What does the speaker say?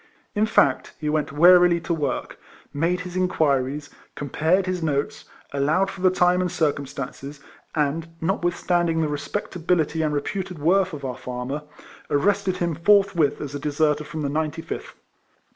In fact, he went warily to work, made his inquiries, compared his notes, allowed for the time and circumstances, and, notwith standing the respectability and reputed worth of our farmer, arrested him forthwith as a deserter from the Ninety fifth.